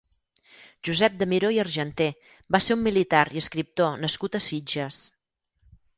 Josep de Miró i Argenter va ser un militar i escriptor nascut a Sitges.